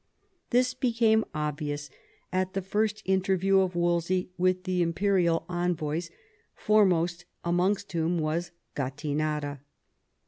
This became obvious at the first interview of Wolsey with the imperial envoys, foremost amongst whom was Gattinara.